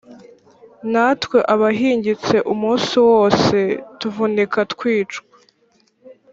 natwe abahingitse umunsi wose tuvunika twicwa